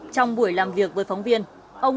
trong buổi làm việc với phóng viên